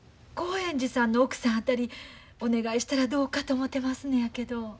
興園寺さんの奥さんあたりお願いしたらどうかと思てますのやけど。